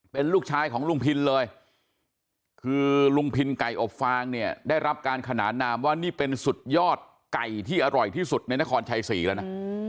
เป็นลูกชายของลุงพินเลยคือลุงพินไก่อบฟางเนี่ยได้รับการขนานนามว่านี่เป็นสุดยอดไก่ที่อร่อยที่สุดในนครชัยศรีแล้วนะ